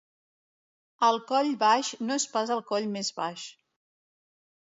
El Coll Baix no és pas el coll més baix.